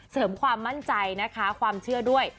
ความมั่นใจนะคะความเชื่อด้วย